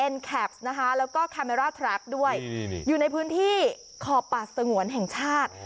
แล้วก็ด้วยอยู่ในพื้นที่ขอบป่าสงวนแห่งชาติ